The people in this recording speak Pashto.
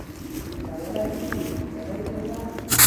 موږ کولی شو چې د بیکارۍ پر وخت